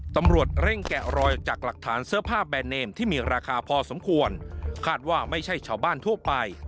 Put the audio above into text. ตำรวจเร่งแกะรอยจากหลักฐานเสื้อผ้าแบรนเนมที่มีราคาพอสมควรคาดว่าไม่ใช่ชาวบ้านทั่วไป